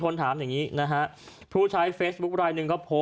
กลับมาเล่าให้ฟังครับ